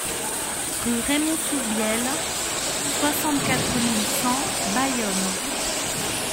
Rue Raymond Sousbielle, soixante-quatre mille cent Bayonne